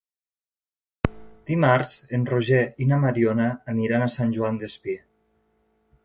Dimarts en Roger i na Mariona aniran a Sant Joan Despí.